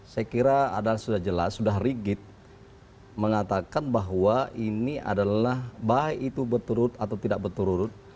saya kira adalah sudah jelas sudah rigid mengatakan bahwa ini adalah baik itu berturut atau tidak berturut